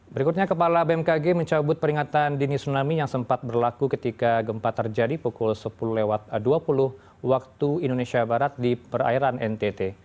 berikutnya kepala bmkg mencabut peringatan dini tsunami yang sempat berlaku ketika gempa terjadi pukul sepuluh dua puluh waktu indonesia barat di perairan ntt